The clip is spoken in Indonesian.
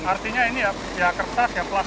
artinya ini ya kertas ya plastik